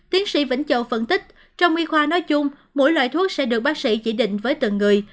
tiến sĩ vĩnh châu phân tích trong y khoa nói chung mỗi loại thuốc sẽ được bác sĩ chỉ định với từng người